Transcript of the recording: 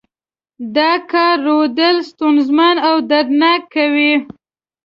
دا کار رودل ستونزمن او دردناک کوي.